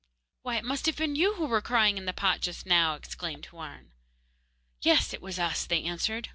'Why, it must have been you who were crying out in the pot just now!' exclaimed Houarn. 'Yes, it was us,' they answered.